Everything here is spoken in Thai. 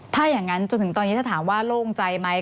ถ้าอย่างนั้นจนถึงตอนนี้ถ้าถามว่าโล่งใจไหม